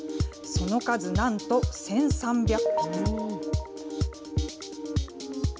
その数、なんと１３００匹。